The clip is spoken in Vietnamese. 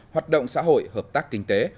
hoạt động xã hội hợp tác kinh tế